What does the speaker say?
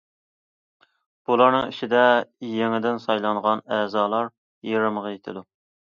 بۇلارنىڭ ئىچىدە يېڭىدىن سايلانغان ئەزالار يېرىمغا يېتىدۇ.